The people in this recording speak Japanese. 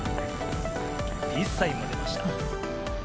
ピースサインも出ました。